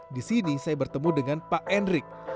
di sini saya bertemu dengan pak endrik